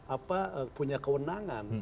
apa punya kewenangan